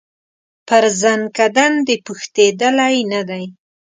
پر زکندن دي پوښتېدلی نه دی